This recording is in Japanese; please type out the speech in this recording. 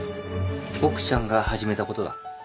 ボクちゃんが始めたことだ。